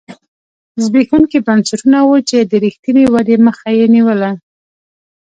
زبېښونکي بنسټونه وو چې د رښتینې ودې مخه یې نیوله.